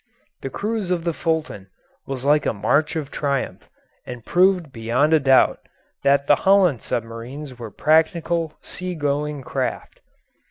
The cruise of the Fulton was like a march of triumph, and proved beyond a doubt that the Holland submarines were practical, sea going craft.